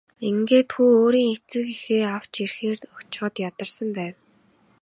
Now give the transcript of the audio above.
Ингээд хүү өөрийн эцэг эхээ авч ирэхээр очиход ядарсан байв.